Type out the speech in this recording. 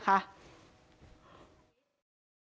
ไม่กลัวไกลแต่พูดแบบนี้ออกไปอ่ะ